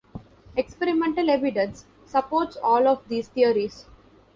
Experimental evidence supports all of these theories.